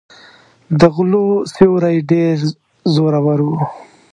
د غلو سیوری ډېر زورور و.